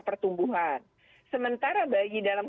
pertumbuhan sementara bayi dalam